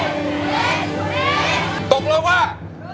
ตกลงว่า